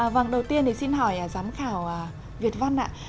vâng đầu tiên thì xin hỏi giám khảo việt văn ạ